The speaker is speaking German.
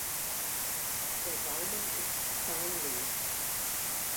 Der Gaumen ist zahnlos.